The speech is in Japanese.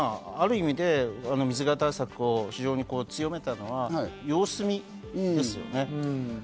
ある意味、水際対策を強めたのは、様子見ですよね。